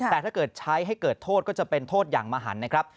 แต่ถ้าเกิดใช้ให้เกิดโทษก็จะเป็นโทษอย่างมหันนะครับ